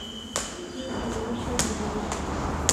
কী ভালোবাসার দান!